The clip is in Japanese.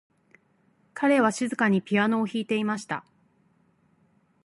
彼は静かにピアノを弾いていました。